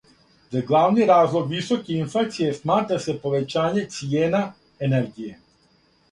За главни разлог високе инфлације сматра се повећање цијена енергије.